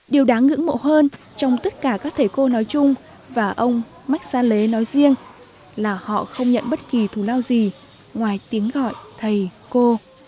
điều đáng ngưỡng mộ hơn trong tất cả các thầy cô nói chung và ông maksale nói riêng là họ không nhận bất kỳ thủ lao gì ngoài tiếng gọi thầy cô